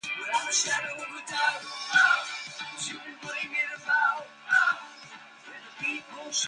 The boom brought settlers in and the town of Belmont grew.